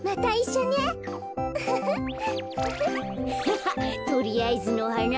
ハハとりあえずのはな。